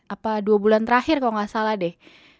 apa dua bulan terakhir kalau nggak salah deh